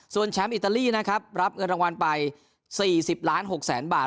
ส่วนแชมป์อิตาลีนะครับรับเงินรางวัลไป๔๐ล้าน๖แสนบาท